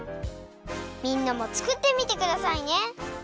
みんなもつくってみてくださいね。